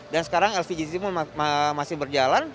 dan sekarang lcgc masih berjalan